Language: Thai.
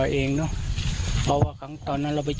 หญิงบอกว่าจะเป็นพี่ปวกหญิงบอกว่าจะเป็นพี่ปวก